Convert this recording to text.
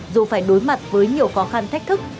dù phải đối mặt với nhiều khó khăn thách thức